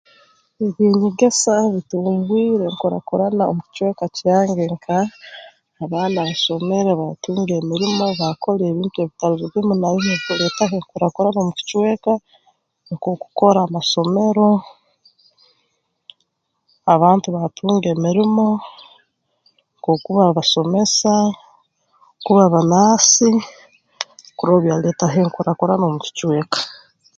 Eby'enyegesa bitumbwire enkurakurana mu kicweka kyange nka abaana basomere baatunga emirimo baakora ebintu ebita ebitali bimu na bimu ebikuleetaho enkurakurana mu kicweka nk'okukora masomero abantu baatunga emirimo nk'okuba abasomesa kuba banaasi kurora byaleetaho enkurakurana omu kicweka